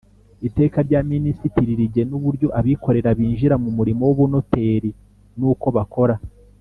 Iteka rya minisitiri rigena uburyo abikorera binjira mu murimo w ubunoteri n uko bakora